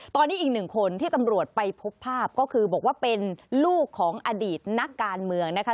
ตอนนี้อีกหนึ่งคนที่ตำรวจไปพบภาพก็คือบอกว่าเป็นลูกของอดีตนักการเมืองนะคะ